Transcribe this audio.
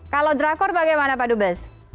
kalau drakor bagaimana pak dubes